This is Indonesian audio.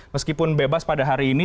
meskipun bebas pada hari ini